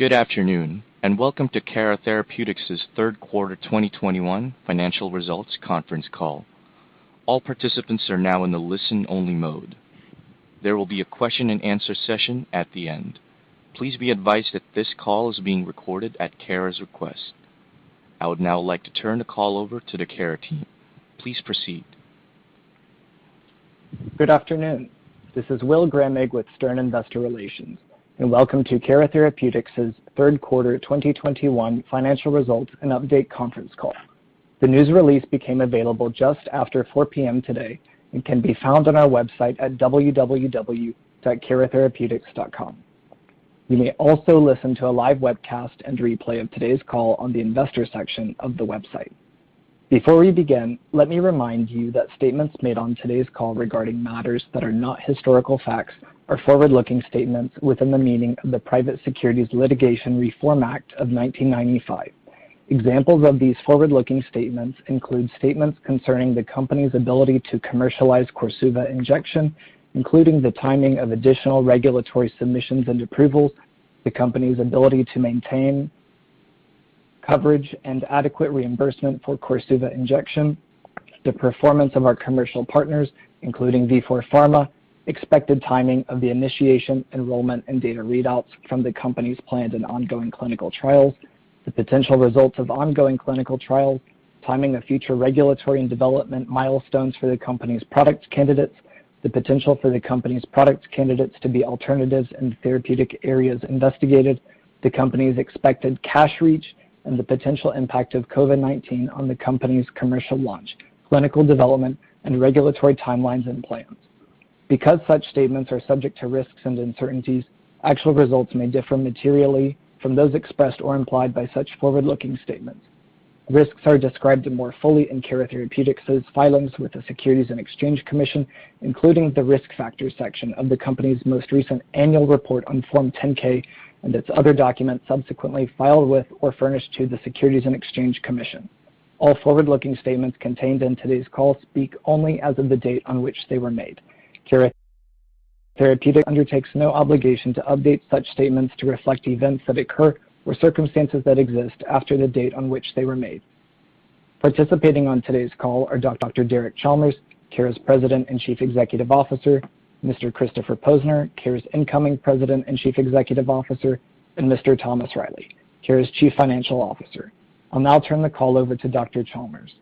Good afternoon, welcome to Cara Therapeutics' third quarter 2021 financial results conference call. All participants are now in the listen-only mode. There will be a question-and-answer session at the end. Please be advised that this call is being recorded at Cara's request. I would now like to turn the call over to the Cara team. Please proceed. Good afternoon. This is Will Gramig with Stern Investor Relations, and welcome to Cara Therapeutics' third quarter 2021 financial results and update conference call. The news release became available just after 4:00 P.M. today and can be found on our website at www.caratherapeutics.com. You may also listen to a live webcast and replay of today's call on the investor section of the website. Before we begin, let me remind you that statements made on today's call regarding matters that are not historical facts are forward-looking statements within the meaning of the Private Securities Litigation Reform Act of 1995. Examples of these forward-looking statements include statements concerning the company's ability to commercialize KORSUVA Injection, including the timing of additional regulatory submissions and approvals, the company's ability to maintain coverage and adequate reimbursement for KORSUVA Injection, the performance of our commercial partners, including Vifor Pharma, expected timing of the initiation, enrollment, and data readouts from the company's planned and ongoing clinical trials, the potential results of ongoing clinical trials, timing of future regulatory and development milestones for the company's product candidates, the potential for the company's product candidates to be alternatives in therapeutic areas investigated, the company's expected cash reach, and the potential impact of COVID-19 on the company's commercial launch, clinical development, and regulatory timelines and plans. Because such statements are subject to risks and uncertainties, actual results may differ materially from those expressed or implied by such forward-looking statements. Risks are described more fully in Cara Therapeutics' filings with the Securities and Exchange Commission, including the Risk Factors section of the company's most recent annual report on Form 10-K and its other documents subsequently filed with or furnished to the Securities and Exchange Commission. All forward-looking statements contained in today's call speak only as of the date on which they were made. Cara Therapeutics undertakes no obligation to update such statements to reflect events that occur or circumstances that exist after the date on which they were made. Participating on today's call are Dr. Derek Chalmers, Cara's President and Chief Executive Officer; Mr. Christopher Posner, Cara's incoming President and Chief Executive Officer; and Mr. Thomas Reilly, Cara's Chief Financial Officer. I'll now turn the call over to Dr. Chalmers.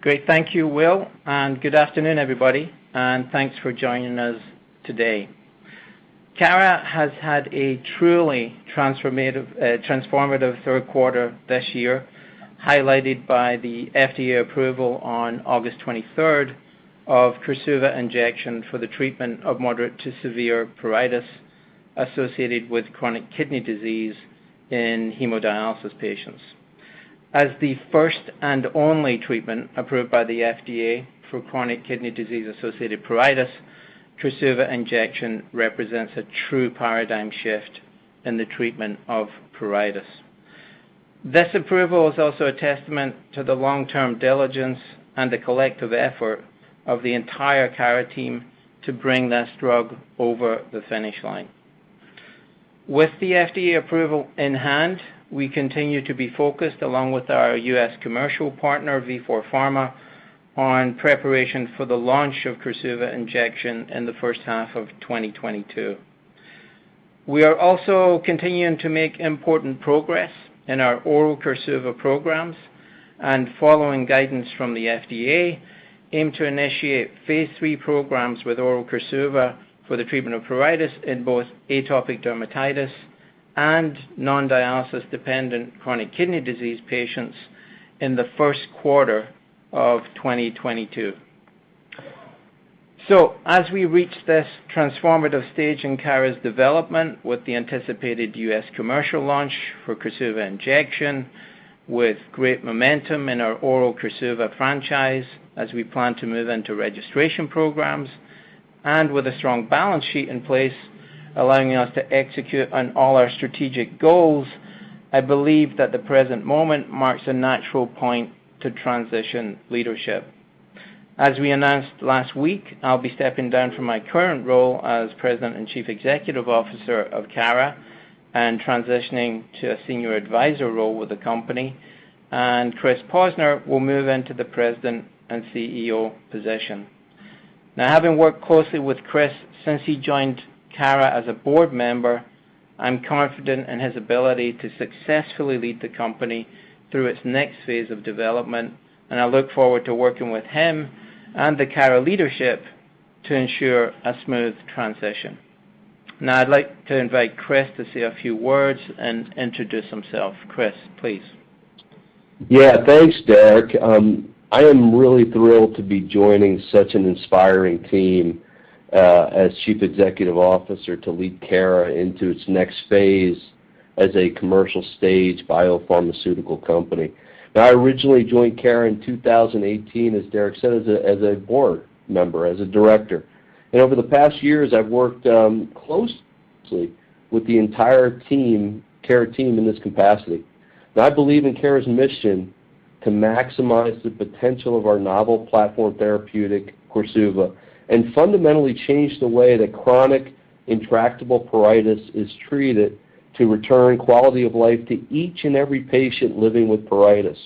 Great. Thank you, Will, good afternoon, everybody, and thanks for joining us today. Cara has had a truly transformative third quarter this year, highlighted by the FDA approval on August 23rd of KORSUVA Injection for the treatment of moderate to severe pruritus associated with chronic kidney disease in hemodialysis patients. As the first and only treatment approved by the FDA for chronic kidney disease-associated pruritus, KORSUVA Injection represents a true paradigm shift in the treatment of pruritus. This approval is also a testament to the long-term diligence and the collective effort of the entire Cara team to bring this drug over the finish line. With the FDA approval in hand, we continue to be focused, along with our U.S. commercial partner, Vifor Pharma, on preparation for the launch of KORSUVA Injection in the first half of 2022. We are also continuing to make important progress in our oral KORSUVA programs and, following guidance from the FDA, aim to initiate phase III programs with oral KORSUVA for the treatment of pruritus in both atopic dermatitis and non-dialysis-dependent chronic kidney disease patients in the first quarter of 2022. As we reach this transformative stage in Cara's development with the anticipated U.S. commercial launch for KORSUVA Injection with great momentum in our oral KORSUVA franchise as we plan to move into registration programs and with a strong balance sheet in place allowing us to execute on all our strategic goals, I believe that the present moment marks a natural point to transition leadership. As we announced last week, I'll be stepping down from my current role as President and Chief Executive Officer of Cara and transitioning to a senior advisor role with the company, and Chris Posner will move into the President and CEO position. Having worked closely with Chris since he joined Cara as a board member, I'm confident in his ability to successfully lead the company through its next phase of development, and I look forward to working with him and the Cara leadership to ensure a smooth transition. I'd like to invite Chris to say a few words and introduce himself. Chris, please. Thanks, Derek. I am really thrilled to be joining such an inspiring team as Chief Executive Officer to lead Cara into its next phase as a commercial-stage biopharmaceutical company. I originally joined Cara in 2018, as Derek said, as a board member, as a director. Over the past years, I've worked closely with the entire Cara team in this capacity. I believe in Cara's mission. To maximize the potential of our novel platform therapeutic, KORSUVA, and fundamentally change the way that chronic intractable pruritus is treated to return quality of life to each and every patient living with pruritus.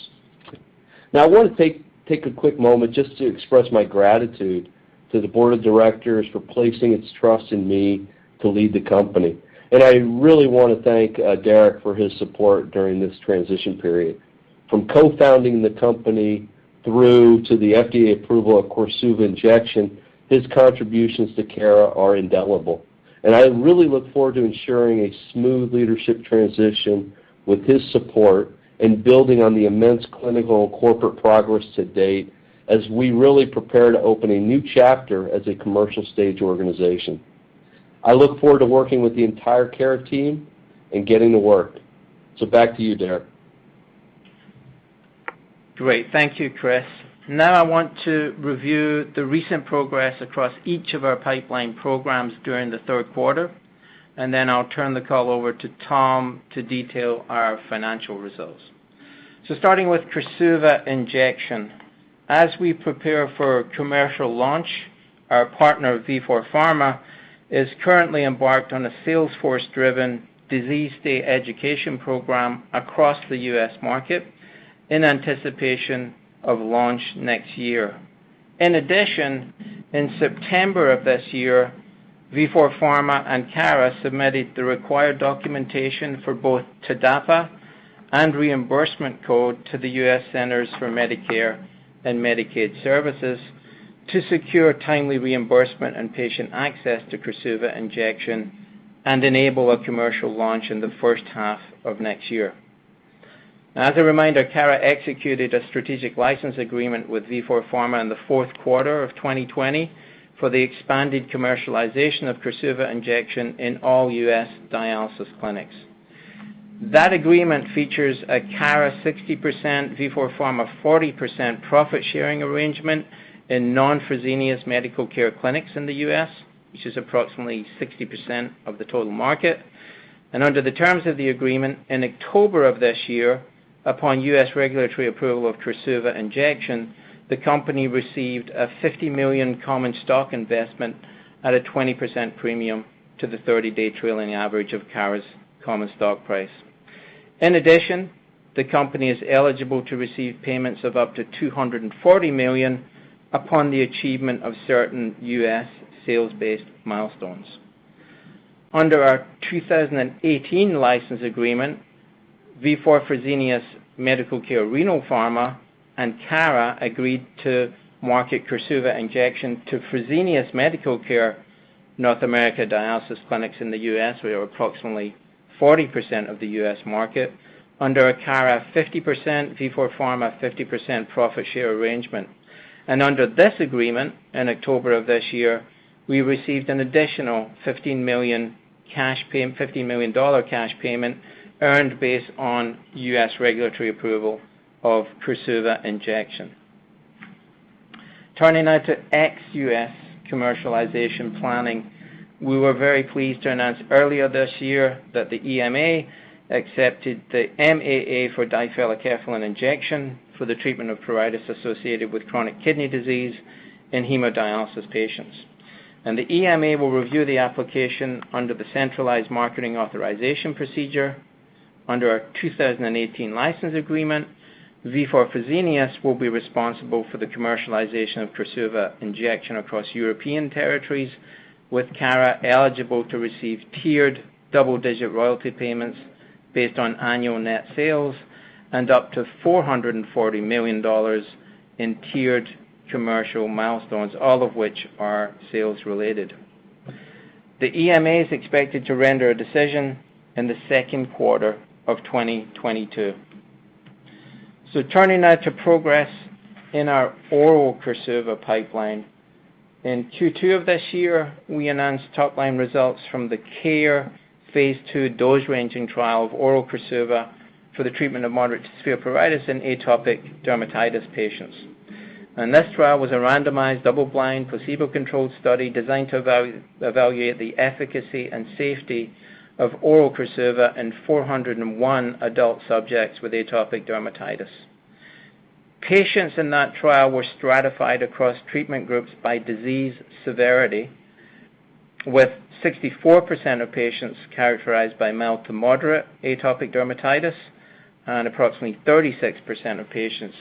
I wanna take a quick moment just to express my gratitude to the board of directors for placing its trust in me to lead the company. I really wanna thank Derek for his support during this transition period. From co-founding the company through to the FDA approval of KORSUVA Injection, his contributions to Cara are indelible. I really look forward to ensuring a smooth leadership transition with his support and building on the immense clinical corporate progress to date as we really prepare to open a new chapter as a commercial stage organization. I look forward to working with the entire Cara team and getting to work. Back to you, Derek. Thank you, Chris. I want to review the recent progress across each of our pipeline programs during the third quarter, and then I'll turn the call over to Tom to detail our financial results. Starting with KORSUVA Injection. As we prepare for commercial launch, our partner, Vifor Pharma, is currently embarked on a sales force-driven disease state education program across the U.S. market in anticipation of launch next year. In addition, in September of this year, Vifor Pharma and Cara submitted the required documentation for both TDAPA and reimbursement code to the U.S. Centers for Medicare and Medicaid Services to secure timely reimbursement and patient access to KORSUVA Injection and enable a commercial launch in the first half of next year. As a reminder, Cara executed a strategic license agreement with Vifor Pharma in the fourth quarter of 2020 for the expanded commercialization of KORSUVA Injection in all U.S. dialysis clinics. That agreement features a Cara 60%, Vifor Pharma 40% profit-sharing arrangement in non-Fresenius Medical Care clinics in the U.S., which is approximately 60% of the total market. Under the terms of the agreement, in October of this year, upon U.S. regulatory approval of KORSUVA Injection, the company received a $50 million common stock investment at a 20% premium to the 30-day trailing average of Cara's common stock price. In addition, the company is eligible to receive payments of up to $240 million upon the achievement of certain U.S. sales-based milestones. Under our 2018 license agreement, Vifor Fresenius Medical Care Renal Pharma and Cara agreed to market KORSUVA Injection to Fresenius Medical Care North America dialysis clinics in the U.S. We have approximately 40% of the U.S. market under a Cara 50%, Vifor Pharma 50% profit share arrangement. Under this agreement, in October of this year, we received an additional $15 million cash payment earned based on U.S. regulatory approval of KORSUVA Injection. Turning now to ex-U.S. commercialization planning. We were very pleased to announce earlier this year that the EMA accepted the MAA for difelikefalin injection for the treatment of pruritus associated with chronic kidney disease in hemodialysis patients. The EMA will review the application under the centralized marketing authorization procedure. Under our 2018 license agreement, Vifor Fresenius will be responsible for the commercialization of KORSUVA Injection across European territories, with Cara eligible to receive tiered double-digit royalty payments based on annual net sales and up to $440 million in tiered commercial milestones, all of which are sales-related. The EMA is expected to render a decision in the second quarter of 2022. Turning now to progress in our oral KORSUVA pipeline. In Q2 of this year, we announced top-line results from the KARE Phase II dose ranging trial of oral KORSUVA for the treatment of moderate severe pruritus in atopic dermatitis patients. This trial was a randomized, double-blind, placebo-controlled study designed to evaluate the efficacy and safety of oral KORSUVA in 401 adult subjects with atopic dermatitis. Patients in that trial were stratified across treatment groups by disease severity, with 64% of patients characterized by mild to moderate atopic dermatitis and approximately 36% of patients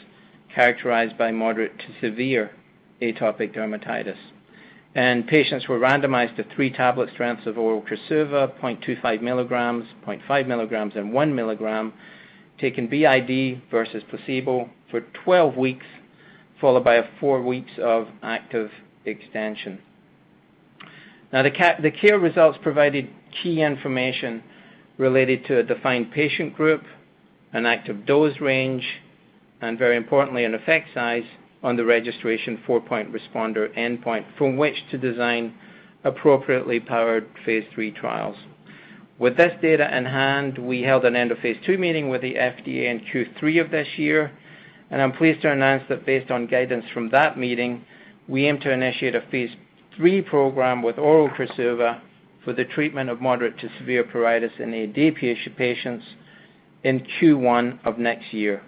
characterized by moderate to severe atopic dermatitis. Patients were randomized to three tablet strengths of oral KORSUVA, 0.25 milligrams, 0.5 milligrams, and 1 milligram, taking BID versus placebo for 12 weeks, followed by a four weeks of active extension. Now the KARE results provided key information related to a defined patient group, an active dose range, and very importantly, an effect size on the registration four point responder endpoint from which to design appropriately powered phase III trials. With this data in hand, we held an end-of-phase II meeting with the FDA in Q3 of this year, and I'm pleased to announce that based on guidance from that meeting, we aim to initiate a phase III program with oral KORSUVA for the treatment of moderate to severe pruritus in AD patients in Q1 of next year.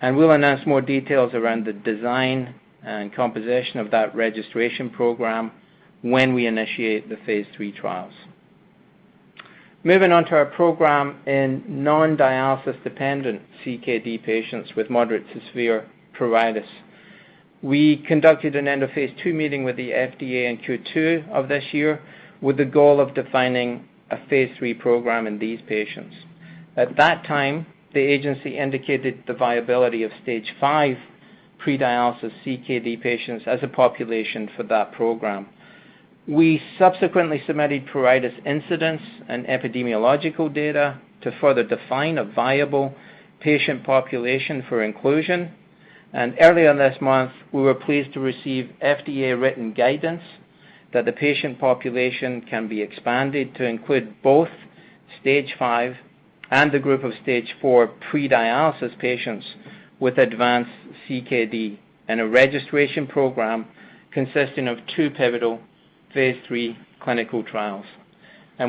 We'll announce more details around the design and composition of that registration program when we initiate the phase III trials. Moving on to our program in non-dialysis dependent CKD patients with moderate to severe pruritus. We conducted an end-of-phase II meeting with the FDA in Q2 of this year with the goal of defining a phase III program in these patients. At that time, the agency indicated the viability of stage 5 pre-dialysis CKD patients as a population for that program. We subsequently submitted pruritus incidents and epidemiological data to further define a viable patient population for inclusion. Earlier this month, we were pleased to receive FDA written guidance that the patient population can be expanded to include both stage five and a group of stage four pre-dialysis patients with advanced CKD in a registration program consisting of two pivotal phase III clinical trials.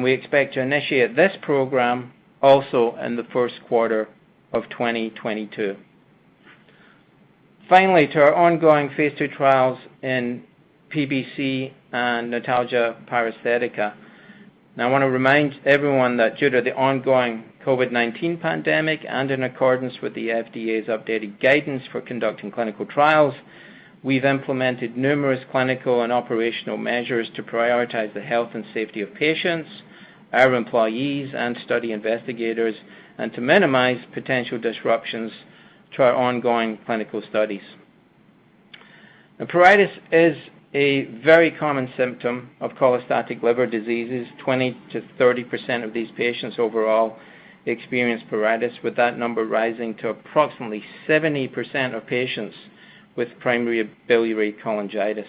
We expect to initiate this program also in the first quarter of 2022. Finally, to our ongoing phase II trials in PBC and notalgia paresthetica. Now, I wanna remind everyone that due to the ongoing COVID-19 pandemic and in accordance with the FDA's updated guidance for conducting clinical trials, we've implemented numerous clinical and operational measures to prioritize the health and safety of patients, our employees, and study investigators, and to minimize potential disruptions to our ongoing clinical studies. Now, pruritus is a very common symptom of cholestatic liver diseases. 20%-30% of these patients overall experience pruritus, with that number rising to approximately 70% of patients with primary biliary cholangitis.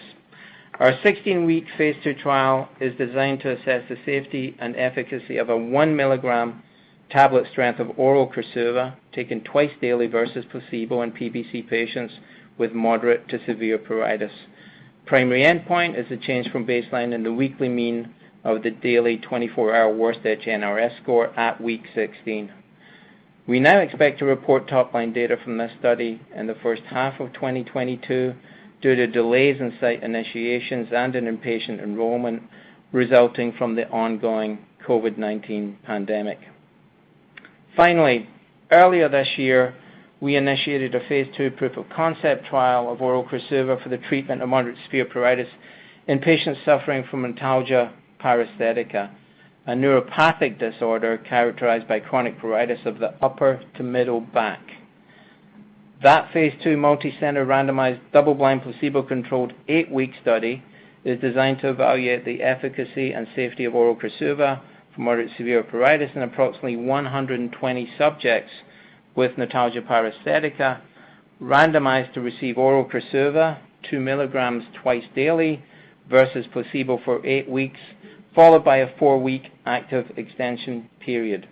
Our 16-week phase II trial is designed to assess the safety and efficacy of a 1 milligram tablet strength of oral KORSUVA taken twice daily versus placebo in PBC patients with moderate to severe pruritus. Primary endpoint is a change from baseline in the weekly mean of the daily 24-hour worst itch NRS score at week 16. We now expect to report top-line data from this study in the first half of 2022 due to delays in site initiations and in patient enrollment resulting from the ongoing COVID-19 pandemic. Earlier this year, we initiated a phase II proof of concept trial of oral KORSUVA for the treatment of moderate severe pruritus in patients suffering from notalgia paresthetica, a neuropathic disorder characterized by chronic pruritus of the upper to middle back. That phase II multicenter randomized double-blind placebo-controlled eightweek study is designed to evaluate the efficacy and safety of oral KORSUVA from moderate severe pruritus in approximately 120 subjects with notalgia paresthetica randomized to receive oral KORSUVA 2 milligrams twice daily versus placebo for eight weeks, followed by a four-week active extension period.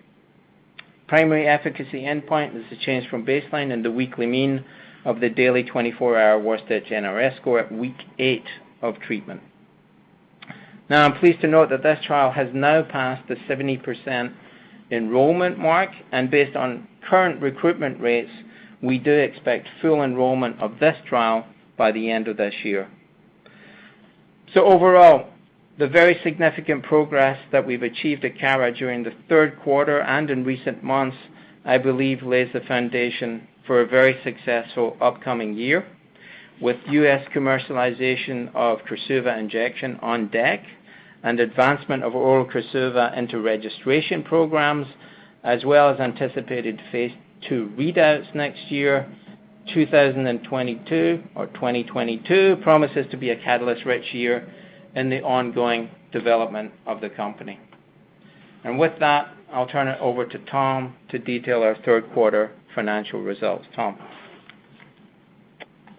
Primary efficacy endpoint is the change from baseline in the weekly mean of the daily 24-hour worst itch NRS score at week eight of treatment. Now I'm pleased to note that this trial has now passed the 70% enrollment mark, and based on current recruitment rates, we do expect full enrollment of this trial by the end of this year. Overall, the very significant progress that we've achieved at Cara during the third quarter and in recent months, I believe, lays the foundation for a very successful upcoming year. With U.S. commercialization of KORSUVA injection on deck and advancement of oral KORSUVA into registration programs, as well as anticipated phase II readouts next year, 2022, or 2022 promises to be a catalyst-rich year in the ongoing development of the company. With that, I'll turn it over to Tom to detail our third quarter financial results. Tom?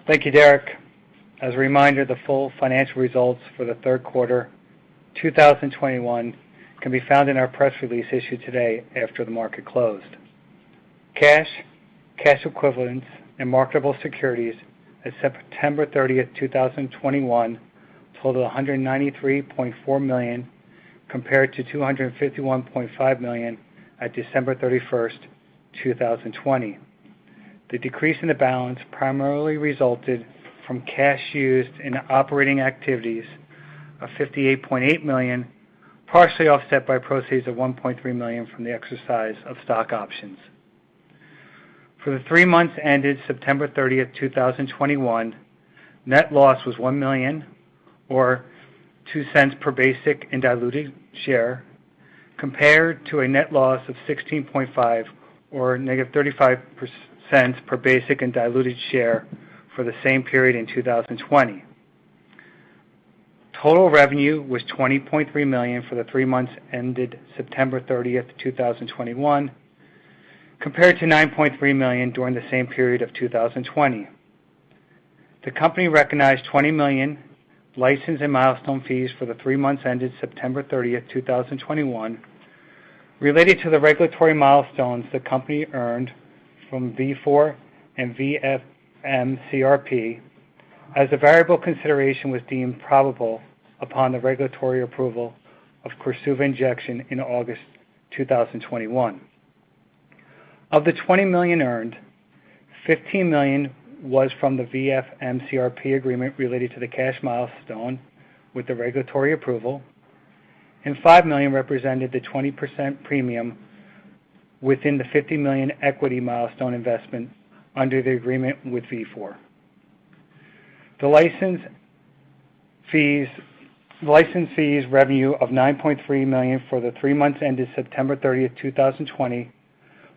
Thank you, Derek. As a reminder, the full financial results for the third quarter 2021 can be found in our press release issued today after the market closed. Cash, cash equivalents, and marketable securities as of September 30th, 2021 totaled $193.4 million, compared to $251.5 million at December 31st, 2020. The decrease in the balance primarily resulted from cash used in operating activities of $58.8 million, partially offset by proceeds of $1.3 million from the exercise of stock options. For the three months ended September 30th, 2021, net loss was $1 million or $0.02 per basic and diluted share, compared to a net loss of $16.5 million, or -35% per basic and diluted share for the same period in 2020. Total revenue was $20.3 million for the three months ended September 30th, 2021, compared to $9.3 million during the same period of 2020. The company recognized $20 million license and milestone fees for the three months ended September 30th, 2021. Related to the regulatory milestones the company earned from Vifor and VFMCRP, as a variable consideration was deemed probable upon the regulatory approval of KORSUVA injection in August 2021. Of the $20 million earned, $15 million was from the VFMCRP agreement related to the cash milestone with the regulatory approval, and $5 million represented the 20% premium within the $50 million equity milestone investment under the agreement with Vifor. The license fees revenue of $9.3 million for the three months ended September 30th, 2020,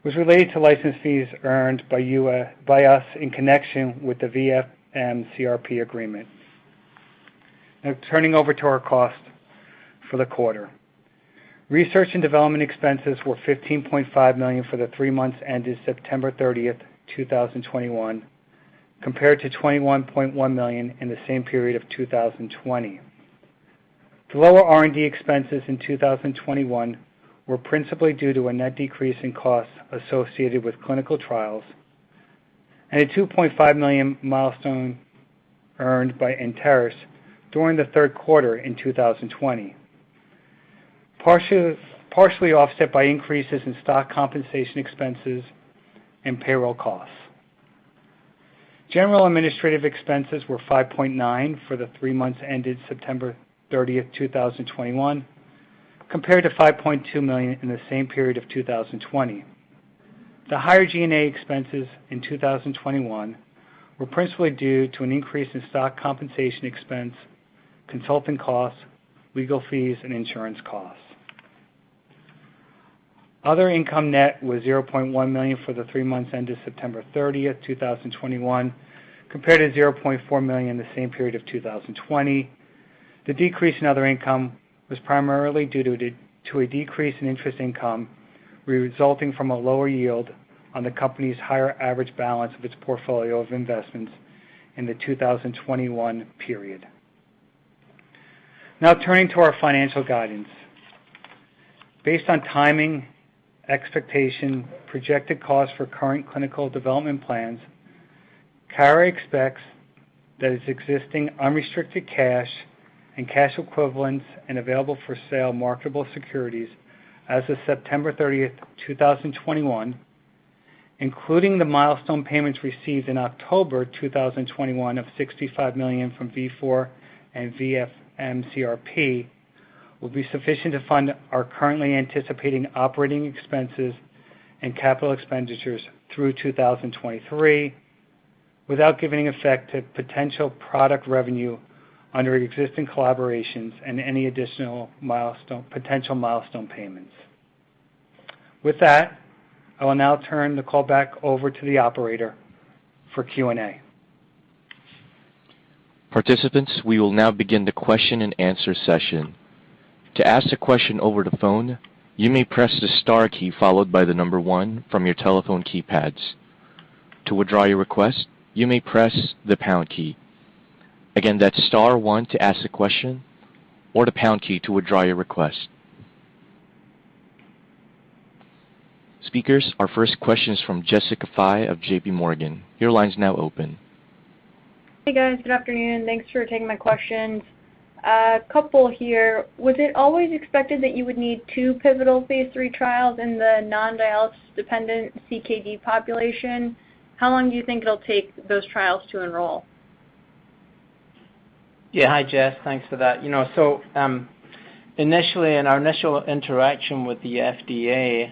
was related to license fees earned by us in connection with the VFMCRP agreement. Turning over to our cost for the quarter. Research and development expenses were $15.5 million for the three months ended September 30th, 2021, compared to $21.1 million in the same period of 2020. The lower R&D expenses in 2021 were principally due to a net decrease in costs associated with clinical trials and a $2.5 million milestone earned by Antares during the third quarter in 2020. Partially offset by increases in stock compensation expenses and payroll costs. General administrative expenses were $5.9 million for the three months ended September 30th, 2021, compared to $5.2 million in the same period of 2020. The higher G&A expenses in 2021 were principally due to an increase in stock compensation expense, consulting costs, legal fees, and insurance costs. Other income net was $0.1 million for the three months ended September 30th, 2021, compared to $0.4 million in the same period of 2020. The decrease in other income was primarily due to a decrease in interest income resulting from a lower yield on the company's higher average balance of its portfolio of investments in the 2021 period. Turning to our financial guidance. Based on timing, expectation, projected costs for current clinical development plans, Cara expects that its existing unrestricted cash and cash equivalents and available for sale marketable securities as of September 30th, 2021, including the milestone payments received in October 2021 of $65 million from Vifor and VFMCRP, will be sufficient to fund our currently anticipating operating expenses and capital expenditures through 2023 without giving effect to potential product revenue under existing collaborations and any additional potential milestone payments. With that, I will now turn the call back over to the operator for Q&A. Participants, we will now begin the question-and-answer session. To ask a question over the phone, you may press the star key followed by the number one from your telephone keypads. To withdraw your request, you may press the pound key. Again, that's star one to ask the question or the pound key to withdraw your request. Speakers, our first question is from Jessica Fye of JPMorgan. Your line's now open. Hey, guys. Good afternoon. Thanks for taking my questions. A couple here. Was it always expected that you would need two pivotal phase III trials in the non-dialysis dependent CKD population? How long do you think it'll take those trials to enroll? Yeah, hi, Jess. Thanks for that. You know, initially, in our initial interaction with the FDA,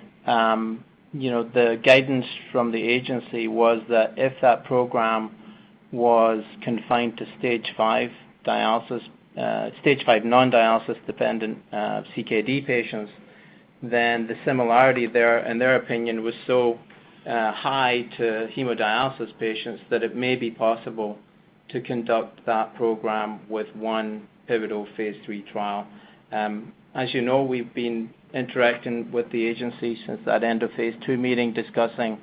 you know, the guidance from the agency was that if that program was confined to stage 5 dialysis, stage 5 non-dialysis dependent, CKD patients, then the similarity there, in their opinion, was so high to hemodialysis patients that it may be possible to conduct that program with one pivotal phase III trial. As you know, we've been interacting with the agency since that end of phase II meeting discussing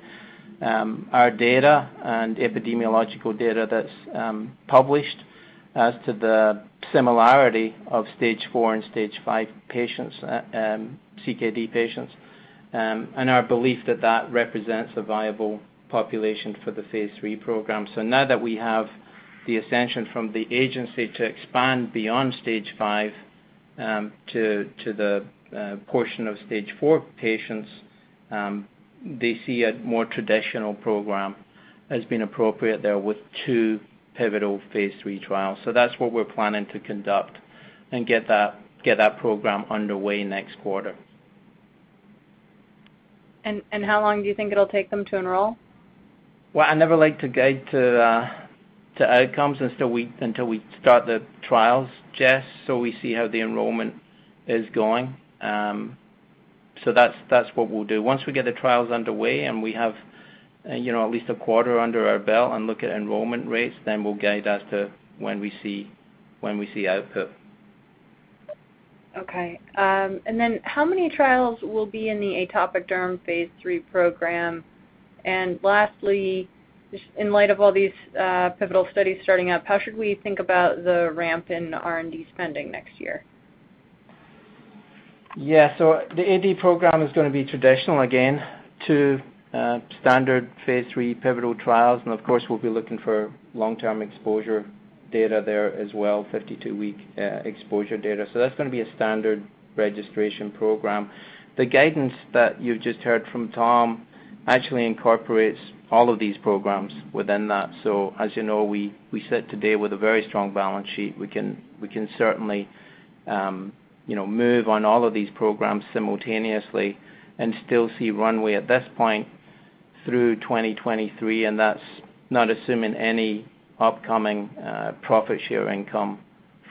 our data and epidemiological data that's published as to the similarity of stage 4 and stage 5 patients, CKD patients, and our belief that that represents a viable population for the phase III program. Now, that we have the ascension from the agency to expand beyond stage V, to the portion of stage IV patients, they see a more traditional program as being appropriate there with two pivotal phase III trials. That's what we're planning to conduct and get that program underway next quarter. How long do you think it'll take them to enroll? Well, I never like to guide to outcomes until we start the trials, Jess, so we see how the enrollment is going. That's what we'll do. Once we get the trials underway and we have, you know, at least a quarter under our belt and look at enrollment rates, then we'll guide as to when we see output. Okay. How many trials will be in the atopic derm phase III program? Lastly, just in light of all these pivotal studies starting up, how should we think about the ramp in R&D spending next year? Yeah. The AD program is gonna be traditional again to standard phase III pivotal trials. Of course, we'll be looking for long-term exposure data there as well, 52-week exposure data. That's gonna be a standard registration program. The guidance that you've just heard from Tom actually incorporates all of these programs within that. As you know, we sit today with a very strong balance sheet. We can certainly, you know, move on all of these programs simultaneously and still see runway at this point through 2023, and that's not assuming any upcoming profit share income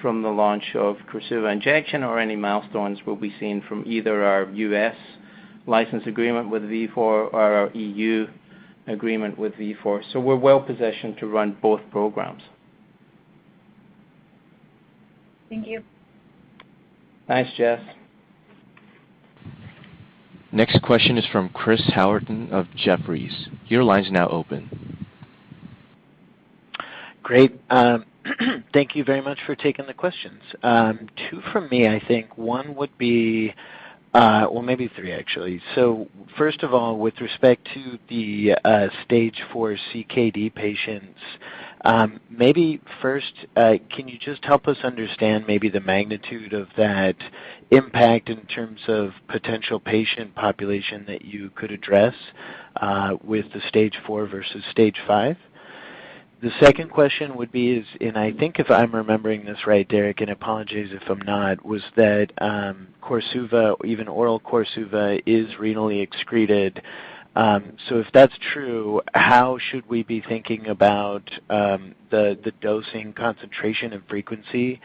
from the launch of KORSUVA injection or any milestones we'll be seeing from either our U.S. license agreement with Vifor or our E.U. agreement with Vifor. We're well-positioned to run both programs. Thank you. Thanks, Jess. Next question is from Chris Howerton of Jefferies. Your line's now open. Great. thank you very much for taking the questions. two from me, I think. One would be Well, maybe three, actually. First of all, with respect to the stage 4 CKD patients, maybe first, can you just help us understand maybe the magnitude of that impact in terms of potential patient population that you could address with the stage 4 versus stage 5? The second question would be is, and I think if I'm remembering this right, Derek, and apologies if I'm not, was that, KORSUVA, even oral KORSUVA is renally excreted. If that's true, how should we be thinking about the dosing concentration and frequency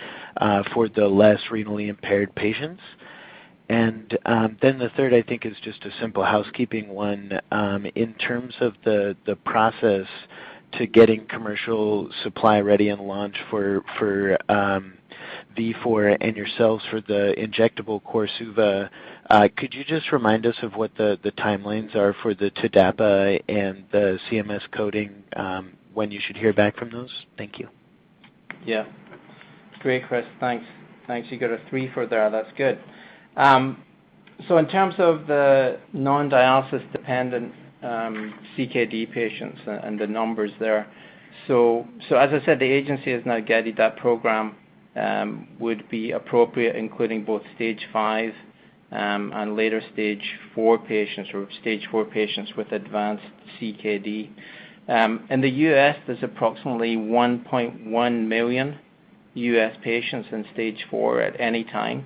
for the less renally impaired patients? Then the third, I think, is just a simple housekeeping one. In terms of the process to getting commercial supply ready and launch for Vifor and yourselves for the injectable KORSUVA, could you just remind us of what the timelines are for the TDAPA and the CMS coding, when you should hear back from those? Thank you. Great, Chris. Thanks. Thanks. You got a three-fer there. That's good. In terms of the non-dialysis dependent CKD patients and the numbers there, as I said, the agency has now guided that program would be appropriate, including both stage 5 and later stage 4 patients or stage 4 patients with advanced CKD. In the U.S., there's approximately 1.1 million U.S. patients in stage 4 at any time.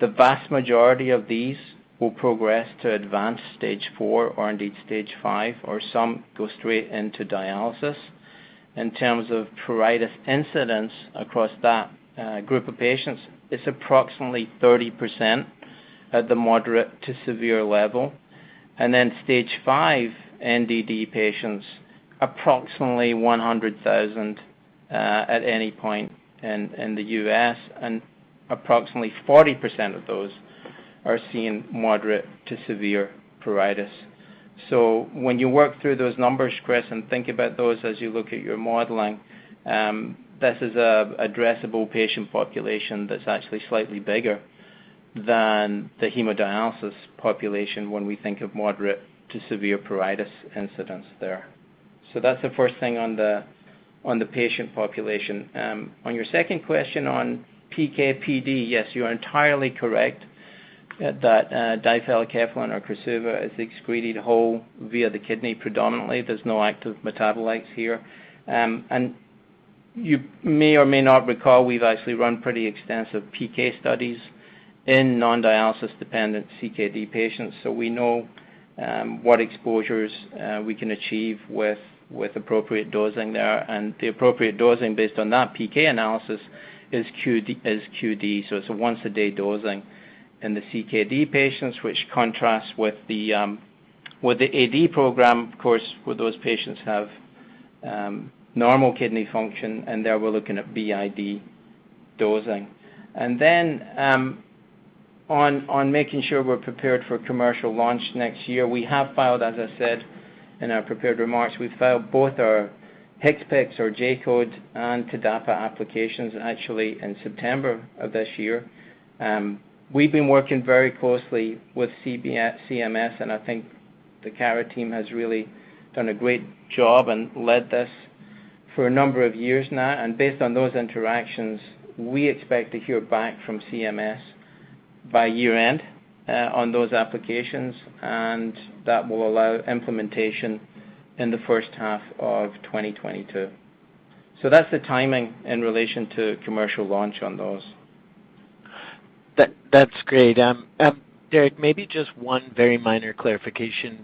The vast majority of these will progress to advanced stage 4 or indeed stage 5, or some go straight into dialysis. In terms of pruritus incidence across that group of patients, it's approximately 30% at the moderate to severe level. Then stage 5 NDD patients, approximately 100,000 at any point in the U.S., and approximately 40% of those are seeing moderate to severe pruritus. When you work through those numbers, Chris, and think about those as you look at your modeling, this is an addressable patient population that's actually slightly bigger than the hemodialysis population when we think of moderate to severe pruritus incidence there. On your second question on PK/PD, yes, you are entirely correct that difelikefalin or KORSUVA is excreted whole via the kidney predominantly. There's no active metabolites here. And you may or may not recall, we've actually run pretty extensive PK studies in non-dialysis dependent CKD patients, we know what exposures we can achieve with appropriate dosing there. The appropriate dosing based on that PK analysis is QD, so it's a once-a-day dosing in the CKD patients, which contrasts with the AD program, of course, where those patients have normal kidney function, and there we're looking at BID dosing. On making sure we're prepared for commercial launch next year, we have filed, as I said in our prepared remarks, we've filed both our HCPCS or J-code and TDAPA applications actually in September of this year. We've been working very closely with CMS, and I think the Cara team has really done a great job and led this for a number of years now. Based on those interactions, we expect to hear back from CMS by year-end on those applications, and that will allow implementation in the first half of 2022. That's the timing in relation to commercial launch on those. That's great. Derek, maybe just one very minor clarification.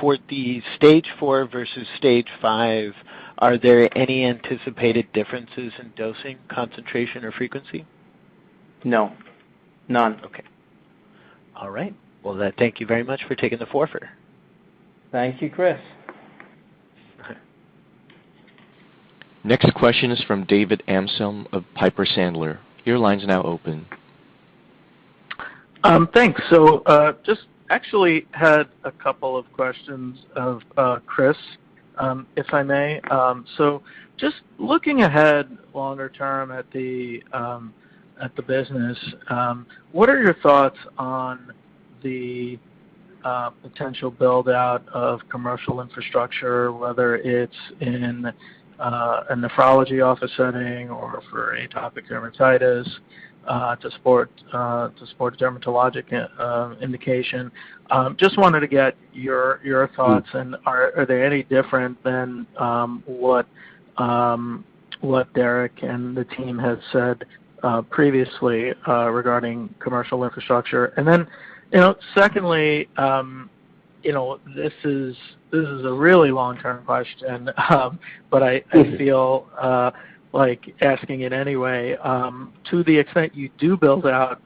For the stage 4 versus stage 5, are there any anticipated differences in dosing concentration or frequency? No. None. Okay. All right. Well, thank you very much for taking the four for it. Thank you, Chris. Next question is from David Amsellem of Piper Sandler. Your line's now open. Thanks. Just actually had a couple of questions of Chris, if I may. Just looking ahead longer term at the business, what are your thoughts on the potential build-out of commercial infrastructure, whether it's in a nephrology office setting or for atopic dermatitis, to support dermatologic indication? Just wanted to get your thoughts. Are they any different than what Derek and the team have said previously regarding commercial infrastructure? You know, secondly, you know, this is a really long-term question, but I feel like asking it anyway. To the extent you do build out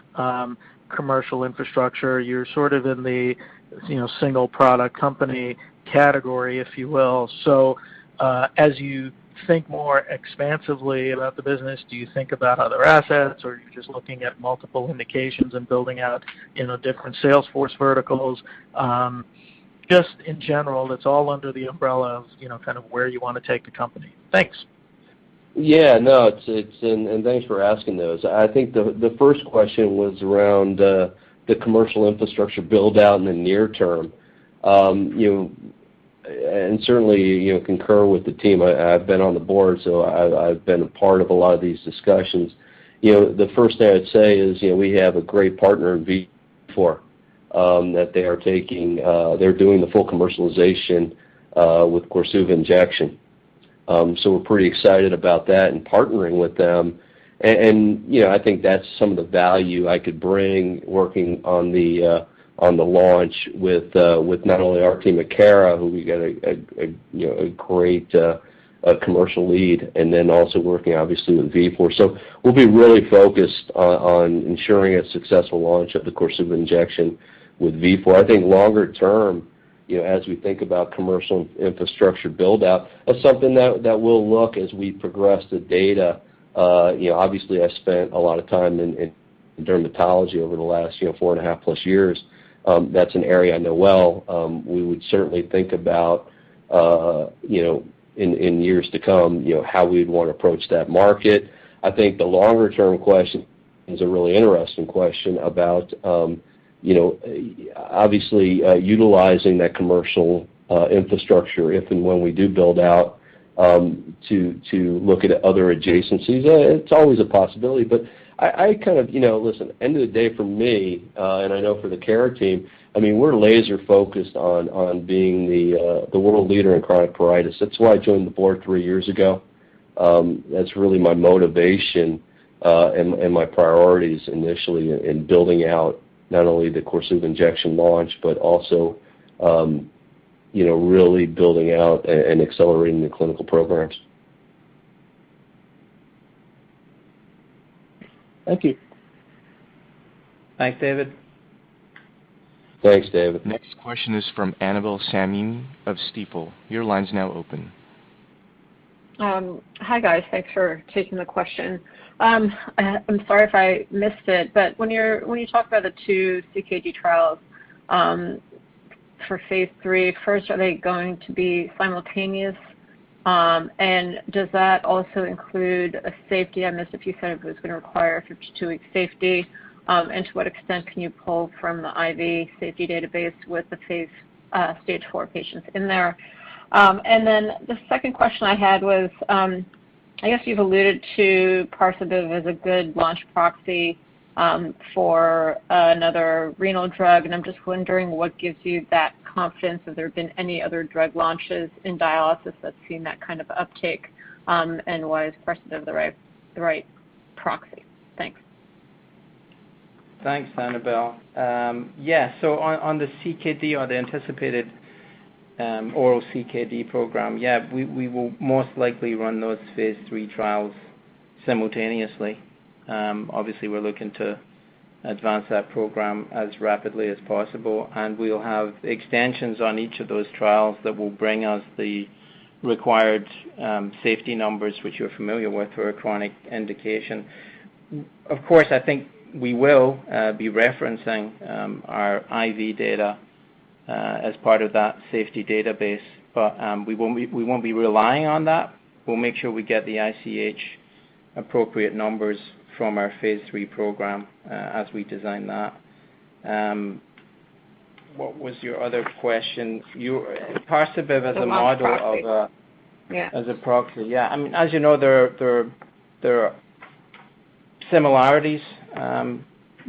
commercial infrastructure, you're sort of in the, you know, single product company category, if you will. As you think more expansively about the business, do you think about other assets, or are you just looking at multiple indications and building out, you know, different salesforce verticals? Just in general, it's all under the umbrella of, you know, kind of where you wanna take the company. Thanks. Yeah, no, it's. Thanks for asking those. I think the first question was around the commercial infrastructure build-out in the near term. You know, certainly, you know, concur with the team. I've been on the board, so I've been a part of a lot of these discussions. You know, the first thing I'd say is, you know, we have a great partner in Vifor, that they are taking, they're doing the full commercialization with KORSUVA Injection. We're pretty excited about that and partnering with them. You know, I think that's some of the value I could bring working on the launch with not only our team at Cara, who we got a, you know, a great commercial lead, and then also working obviously with Vifor. We'll be really focused on ensuring a successful launch of the KORSUVA injection with Vifor Pharma. I think longer term, you know, as we think about commercial infrastructure build-out, that's something that we'll look as we progress the data. You know, obviously, I've spent a lot of time in dermatology over the last, you know, four and a half plus years. That's an area I know well. We would certainly think about, you know, in years to come, you know, how we'd wanna approach that market. I think the longer term question is a really interesting question about, you know, obviously, utilizing that commercial infrastructure if and when we do build out to look at other adjacencies. It's always a possibility. I kind of. You know, listen, end of the day for me, and I know for the Cara team, I mean, we're laser-focused on being the world leader in chronic pruritus. That's why I joined the board three years ago. That's really my motivation, and my priorities initially in building out not only the KORSUVA Injection launch, but also, you know, really building out and accelerating the clinical programs. Thank you. Thanks, David. Thanks, David. Next question is from Annabel Samimy of Stifel. Your line's now open. Hi, guys. Thanks for taking the question. I'm sorry if I missed it, when you talk about the two CKD trials, for phase III, first, are they going to be simultaneous? Does that also include a safety? I missed if you said if it was gonna require a 52-week safety. To what extent can you pull from the IV safety database with the phase stage 4 patients in there? The second question I had was, I guess you've alluded to Parsabiv as a good launch proxy, for another renal drug, and I'm just wondering what gives you that confidence. Has there been any other drug launches in dialysis that's seen that kind of uptick? Why is Parsabiv the right proxy? Thanks. Thanks, Annabel Samimy. Yeah. On the CKD or the anticipated oral CKD program, yeah, we will most likely run those phase III trials simultaneously. Obviously we're looking to advance that program as rapidly as possible, and we'll have extensions on each of those trials that will bring us the required safety numbers which you're familiar with for a chronic indication. Of course, I think we will be referencing our IV data as part of that safety database. We won't be relying on that. We'll make sure we get the ICH appropriate numbers from our phase III program as we design that. What was your other question? You Parsabiv as a model of a- The launch proxy. As a proxy. Yeah. I mean, as you know, there are similarities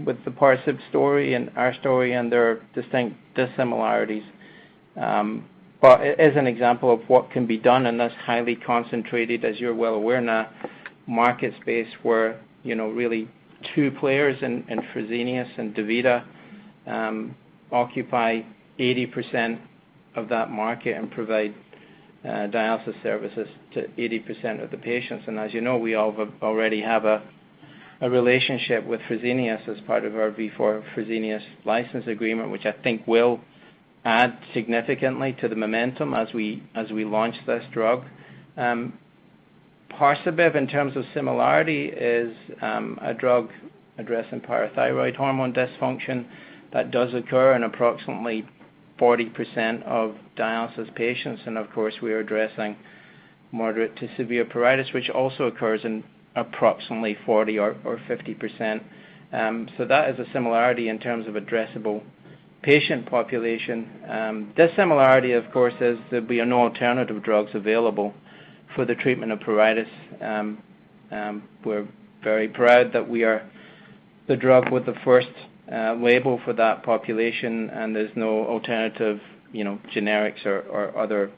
with the Parsabiv story and our story, and there are distinct dissimilarities. as an example of what can be done in this highly concentrated, as you're well aware, in a market space where, you know, really two players in Fresenius and DaVita occupy 80% of that market and provide dialysis services to 80% of the patients. as you know, we already have a relationship with Fresenius as part of our Vifor Fresenius license agreement, which I think will add significantly to the momentum as we launch this drug. Parsabiv, in terms of similarity, is a drug addressing parathyroid hormone dysfunction that does occur in approximately 40% of dialysis patients and of course we're addressing moderate to severe pruritus, which also occurs in approximately 40% or 50%. Dissimilarity, of course, is there'll be no alternative drugs available for the treatment of pruritus. We're very proud that we are the drug with the first label for that population, and there's no alternative, you know, generics or other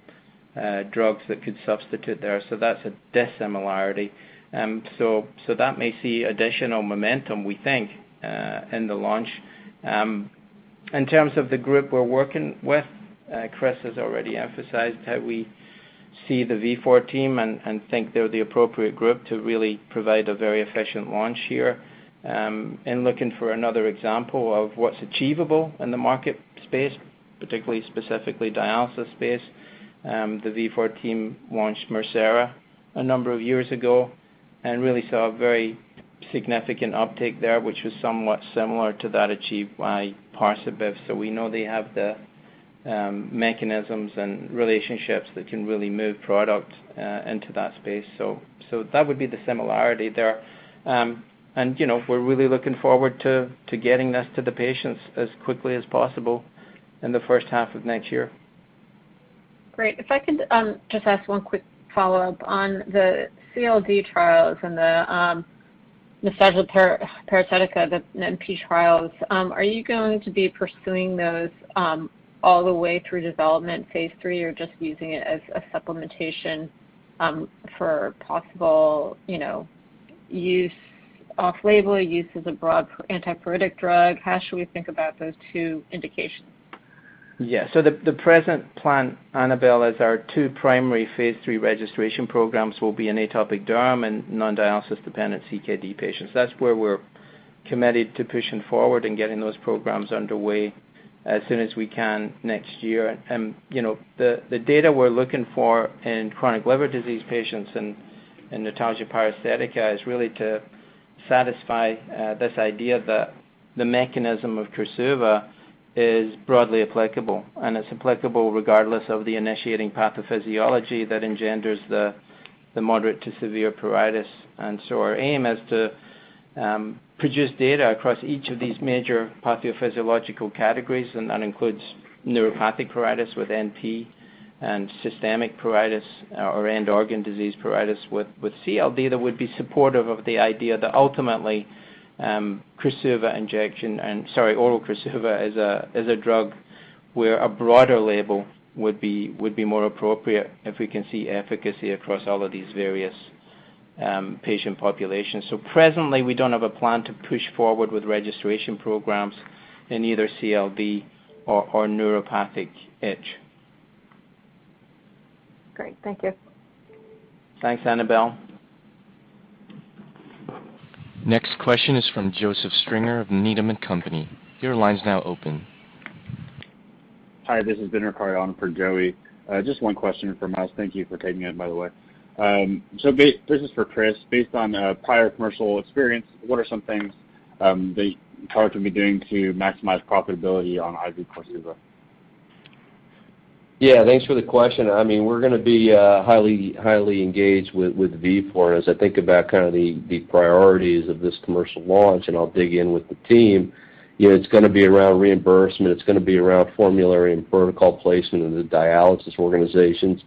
drugs that could substitute there. That's a dissimilarity. That may see additional momentum, we think, in the launch. In terms of the group we're working with, Chris has already emphasized how we see the Vifor team and think they're the appropriate group to really provide a very efficient launch here. In looking for another example of what's achievable in the market space, particularly specifically dialysis space, the Vifor team launched Mircera a number of years ago and really saw a very significant uptake there, which was somewhat similar to that achieved by Parsabiv. We know they have the mechanisms and relationships that can really move product into that space. That would be the similarity there. You know, we're really looking forward to getting this to the patients as quickly as possible in the first half of next year. Great. If I could, just ask one quick follow-up on the CLD trials and the notalgia paresthetica, the NP trials. Are you going to be pursuing those, all the way through development phase III or just using it as a supplementation, for possible, you know, use off-label, use as a broad anti-pruritic drug? How should we think about those two indications? Yeah. The present plan, Annabel Samimy, is our two primary phase III registration programs will be in atopic derm and non-dialysis dependent CKD patients. That's where we're committed to pushing forward and getting those programs underway as soon as we can next year. You know, the data we're looking for in chronic liver disease patients and in notalgia paresthetica is really to satisfy this idea that the mechanism of KORSUVA is broadly applicable, and it's applicable regardless of the initiating pathophysiology that engenders the moderate to severe pruritus. Our aim is to produce data across each of these major pathophysiological categories, and that includes neuropathic pruritus with NP and systemic pruritus or end organ disease pruritus with CLD that would be supportive of the idea that ultimately KORSUVA injection and- Sorry, oral KORSUVA is a drug where a broader label would be more appropriate if we can see efficacy across all of these various patient populations. Presently, we don't have a plan to push forward with registration programs in either CLD or neuropathic itch. Great. Thank you. Thanks, Annabel. Next question is from Joseph Stringer of Needham & Company. Your line's now open. Hi, this is Dinner Caron for Joey. Just one question from us. Thank you for taking it, by the way. This is for Chris. Based on prior commercial experience, what are some things the target will be doing to maximize profitability on IV KORSUVA? Yeah. Thanks for the question. I mean, we're gonna be highly engaged with Vifor. As I think about kind of the priorities of this commercial launch, and I'll dig in with the team, you know, it's gonna be around reimbursement, it's gonna be around formulary and protocol placement in the dialysis organizations,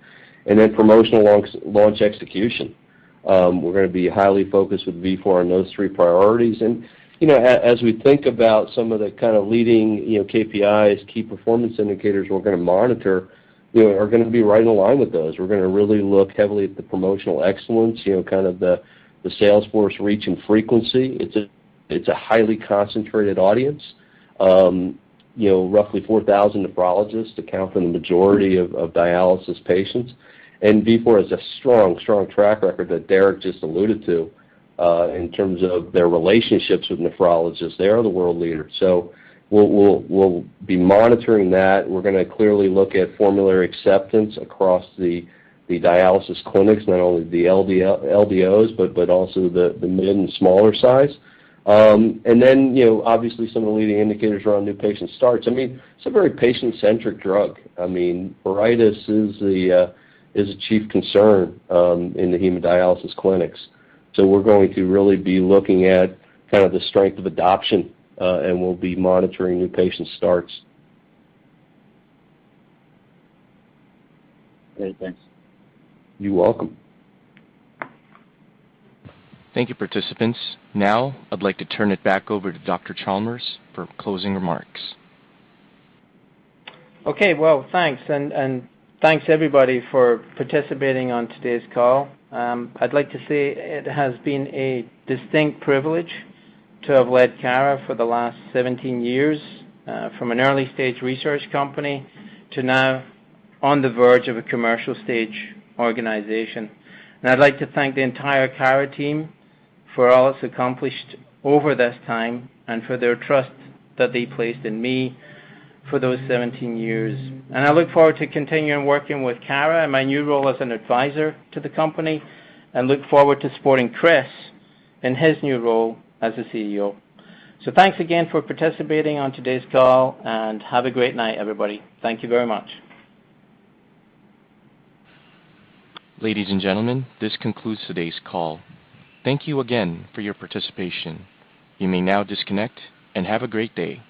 and then promotional launch execution. We're gonna be highly focused with Vifor on those three priorities. You know, as we think about some of the kind of leading, you know, KPIs, key performance indicators we're gonna monitor, you know, are gonna be right in line with those. We're gonna really look heavily at the promotional excellence, you know, kind of the sales force reach and frequency. It's a highly concentrated audience. You know, roughly 4,000 nephrologists account for the majority of dialysis patients. Vifor has a strong track record that Derek just alluded to, in terms of their relationships with nephrologists. They are the world leader. We'll be monitoring that. We're gonna clearly look at formulary acceptance across the dialysis clinics, not only the LDOs, but also the mid and smaller size. Obviously, some of the leading indicators around new patient starts. It's a very patient-centric drug. Pruritus is the chief concern in the hemodialysis clinics. We're going to really be looking at kind of the strength of adoption, and we'll be monitoring new patient starts. Great. Thanks. You're welcome. Thank you, participants. Now I'd like to turn it back over to Dr. Chalmers for closing remarks. Okay. Well, thanks. Thanks, everybody, for participating on today's call. I'd like to say it has been a distinct privilege to have led Cara for the last 17 years, from an early-stage research company to now on the verge of a commercial stage organization. I'd like to thank the entire Cara team for all it's accomplished over this time and for their trust that they placed in me for those 17 years. I look forward to continuing working with Cara in my new role as an advisor to the company and look forward to supporting Chris in his new role as the CEO. Thanks again for participating on today's call, and have a great night, everybody. Thank you very much. Ladies and gentlemen, this concludes today's call. Thank you again for your participation. You may now disconnect and have a great day.